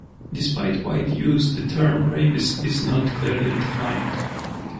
Despite wide use the term Rabiz is not clearly defined.